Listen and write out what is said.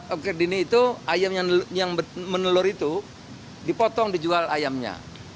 oke dini itu ayam yang menelur itu dipotong dijual ayamnya